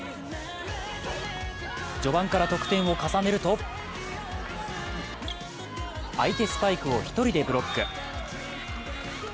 序盤から得点を重ねると、相手スパイクを１人でブロック。